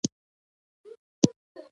احمد تل په غټو سترګو ويده وي.